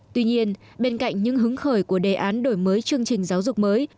tuy nhiên bên cạnh những hứng khởi của đề án đổi mới chương trình giáo dục mới